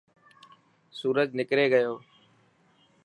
سورج نڪري گيو.